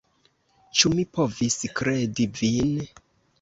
Ĉu mi povis kredi vin?